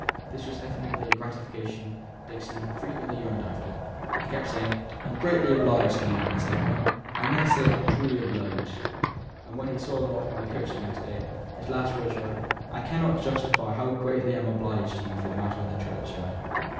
This was evidently a gratification Dixon had frequently yearned after; he kept saying, "I'm greatly obleeged to ye, Miss Ellinor. I may say I'm truly obleeged." And when he saw them off by the coach the next day, his last words were, "I cannot justly say how greatly I'm obleeged to you for that matter of the churchyard."